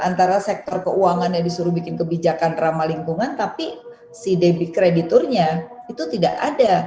antara sektor keuangan yang disuruh bikin kebijakan ramah lingkungan tapi si debit krediturnya itu tidak ada